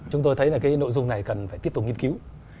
chúng tôi thấy là cái nội dung này cần phải tiếp tục nghiên cứu